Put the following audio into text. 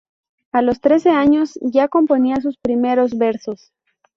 A los trece años ya componía sus primeros versos.